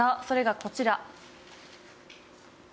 それがこちら。